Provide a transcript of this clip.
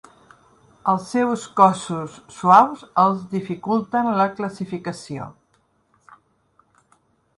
Els seus cossos suaus els dificulten la classificació.